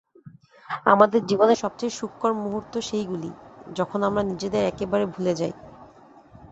আমাদের জীবনের সবচেয়ে সুখকর মুহূর্ত সেইগুলি, যখন আমরা নিজেদের একেবারে ভুলে যাই।